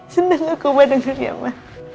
seneng aku gak denger ya ma